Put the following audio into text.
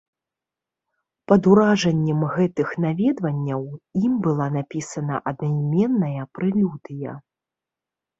Пад уражаннем гэтых наведванняў ім была напісана аднайменная прэлюдыя.